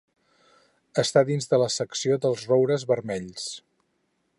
Està dins de la secció dels roures vermells.